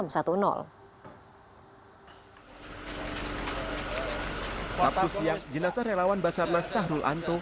sabtu siang jenazah relawan basarnas syahrul anto